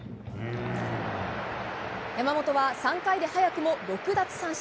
山本は３回で早くも６奪三振。